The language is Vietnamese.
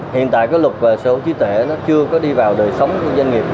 hiện tại luật sở hữu trí tuệ chưa đi vào đời sống của doanh nghiệp